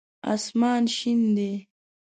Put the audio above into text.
اسمان شین دی